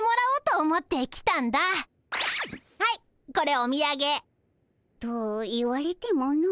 はいこれおみやげ。と言われてもの。